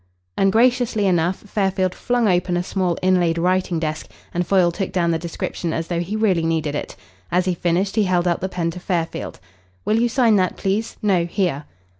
Ungraciously enough Fairfield flung open a small inlaid writing desk, and Foyle took down the description as though he really needed it. As he finished he held out the pen to Fairfield. "Will you sign that, please? No, here."